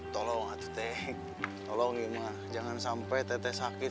tolong atuh teh tolong ya mah jangan sampai teh teh sakit